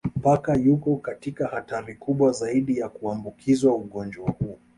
Paka yuko katika hatari kubwa zaidi ya kuambukizwa ugonjwa huu